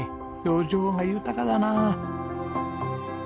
表情が豊かだなあ。